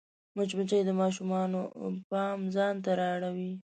مچمچۍ د ماشومانو پام ځان ته رااړوي